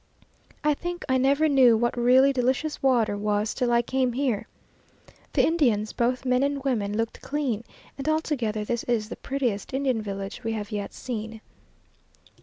I think I never knew what really delicious water was till I came here. The Indians, both men and women, looked clean, and altogether this is the prettiest Indian village we have yet seen.